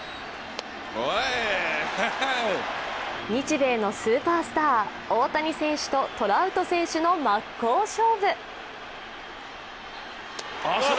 日米のスーパースター、大谷選手とトラウト選手の真っ向勝負。